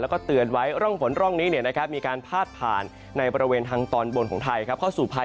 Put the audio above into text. แล้วก็เตือนไว้ร่องฝนร่องนี้เนี่ยนะครับ